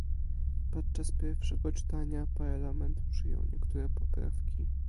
Podczas pierwszego czytania Parlament przyjął niektóre poprawki